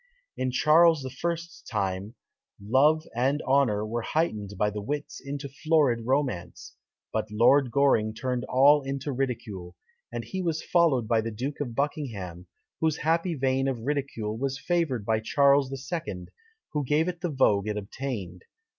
In Charles I.'s time, love and honour were heightened by the wits into florid romance; but Lord Goring turned all into ridicule; and he was followed by the Duke of Buckingham, whose happy vein of ridicule was favoured by Charles II., who gave it the vogue it obtained.